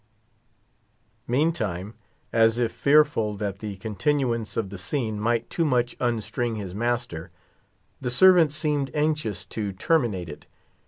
Meantime, as if fearful that the continuance of the scene might too much unstring his master, the servant seemed anxious to terminate it.